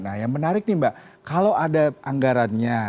nah yang menarik nih mbak kalau ada anggarannya